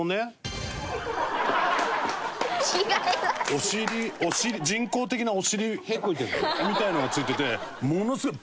お尻人工的なお尻みたいなのが付いててものすごい。